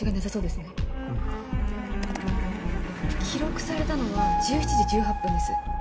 記録されたのは１７時１８分です。